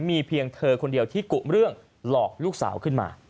มีเพียงเธอคนเดียวที่กุเรื่องหลอกลูกสาวขึ้นมา